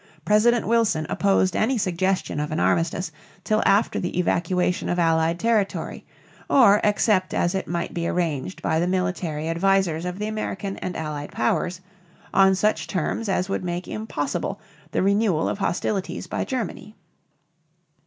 President Wilson opposed any suggestion of an armistice till after the evacuation of Allied territory, or except as it might be arranged by the military advisers of the American and Allied powers, on such terms as would make impossible the renewal of hostilities by Germany.